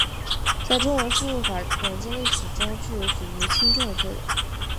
在中文输入法软件历史中具有举足轻重的作用。